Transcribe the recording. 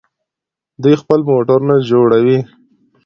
دوی خپل موټرونه جوړوي.